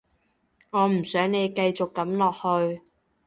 我唔想你繼續噉落去